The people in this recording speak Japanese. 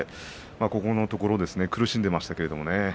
ここのところ苦しんでいましたけれど。